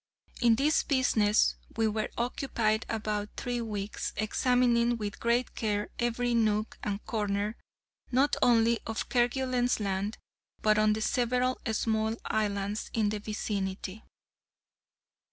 In this business we were occupied about three weeks, examining with great care every nook and corner, not only of Kerguelen's Land, but of the several small islands in the vicinity.